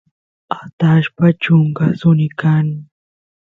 atashpa chunka suni kan